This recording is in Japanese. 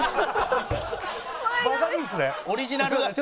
オリジナルが。